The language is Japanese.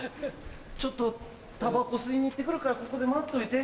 ちょっとたばこ吸いに行ってくるからここで待っといて。